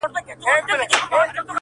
زه په اغزیو کی ورځم زه به پر سر ورځمه -